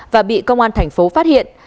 và bị công an thành phố phát hiện